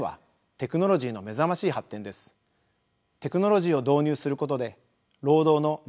テクノロジーを導入することで労働の自動化が進みます。